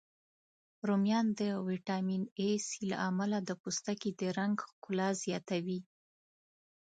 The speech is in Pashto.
رومیان د ویټامین C، A، له امله د پوستکي د رنګ ښکلا زیاتوی